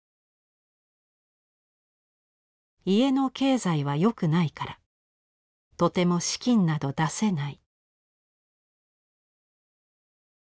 「家の経済は良くないからとても資金など出せない」。